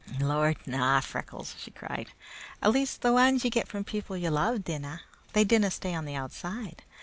"Lord, na! Freckles," she cried. "At least, the anes ye get from people ye love dinna. They dinna stay on the outside.